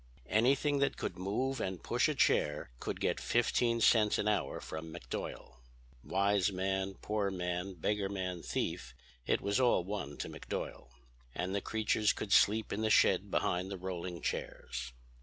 "Anything that could move and push a chair could get fifteen cents an hour from McDuyal. Wise man, poor man, beggar man, thief, it was all one to McDuyal. And the creatures could sleep in the shed behind the rolling chairs.